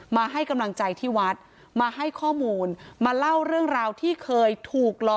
มาให้กำลังใจที่วัดมาให้ข้อมูลมาเล่าเรื่องราวที่เคยถูกล้อ